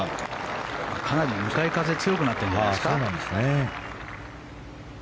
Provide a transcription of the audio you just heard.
かなり向かい風が強くなってるんじゃないですか。